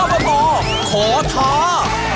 อบตขอท้า